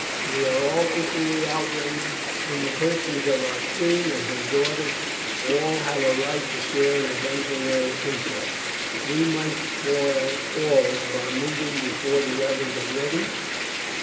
We are all equally outraged in the persons of our queen and her daughters; all have a right to a share in avenging her insults. We might spoil all by moving before the others are ready.